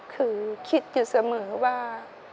คือคิดอยู่เสมอว่า